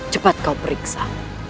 cepat kau periksa